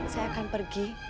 saya akan pergi